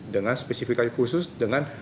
dengan spesifikasi khusus dengan